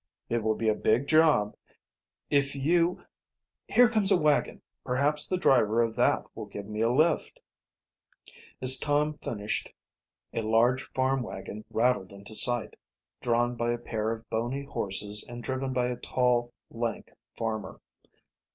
"It will be a big job. If you Here comes a wagon. Perhaps the driver of that will give me a lift." As Tom finished a large farm wagon rattled into sight, drawn by a pair of bony horses and driven by a tall, lank farmer.